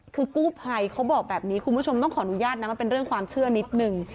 คือกู้ภัยเขาบอกแบบนี้คุณผู้ชมต้องขออนุญาตนะมันเป็นเรื่องความเชื่อนิดนึง